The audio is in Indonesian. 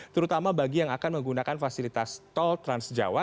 terutama bagi yang akan menggunakan fasilitas tol transjawa